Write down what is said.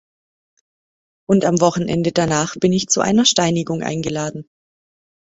Und am Wochenende danach bin ich zu einer Steinigung eingeladen.